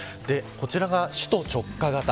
こちらが首都直下型。